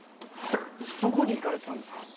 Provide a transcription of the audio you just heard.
どこに行かれてたんですか。